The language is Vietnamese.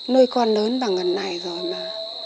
nuôi con lớn bằng gần này rồi mà